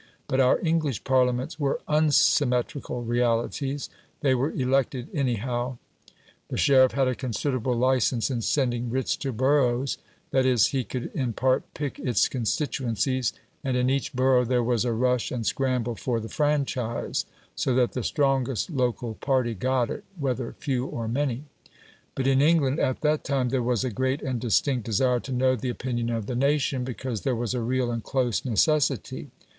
But our English Parliaments were UNsymmetrical realities. They were elected anyhow; the sheriff had a considerable licence in sending writs to boroughs, that is, he could in part pick its constituencies; and in each borough there was a rush and scramble for the franchise, so that the strongest local party got it, whether few or many. But in England at that time there was a great and distinct desire to know the opinion of the nation, because there was a real and close necessity.